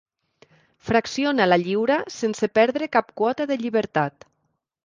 Fracciona la lliura sense perdre cap quota de llibertat.